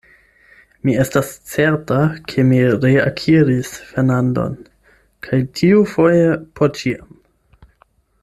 Mi estas certa, ke mi reakiris Fernandon, kaj tiufoje por ĉiam.